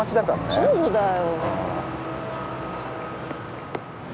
そうだよ。